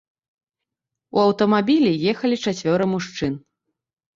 У аўтамабілі ехалі чацвёра мужчын.